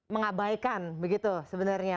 mengabaikan begitu sebenarnya